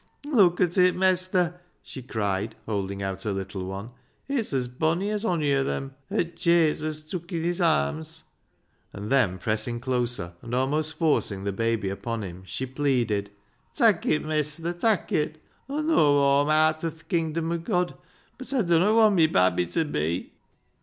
" Look at it, Mestur," she cried, holding out her little one. " It's as bonny as ony o' them 'at Jesus tewk in His arms," and then, pressing closer and almost forcing the baby upon him, she pleaded — "Tak' it, Mestur, tak' it. Aw know Aiu77i aat o' th' kingdom o' God, but Aw dunnot want mi babby ta be."